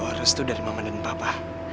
doa restu dari mama dan papa